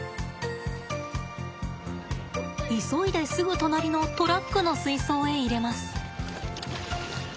急いですぐ隣のトラックの水槽へ入れます。